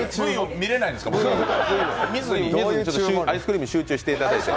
見ずにアイスクリームに集中していただいて。